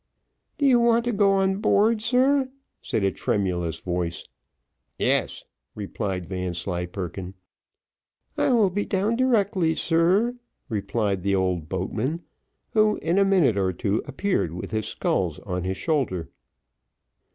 "Do you want to go on board, sir?" said a tremulous voice. "Yes," replied Vanslyperken. "I will be down directly, sir," replied the old boatman, who in a minute or two appeared with his sculls on his shoulder.